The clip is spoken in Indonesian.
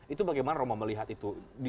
itu bagaimana romo melihat itu